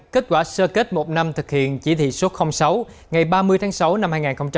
kết quả sơ kết một năm thực hiện chỉ thị số sáu ngày ba mươi tháng sáu năm hai nghìn một mươi chín